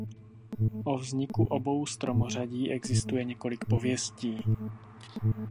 O vzniku obou stromořadí existuje několik pověstí.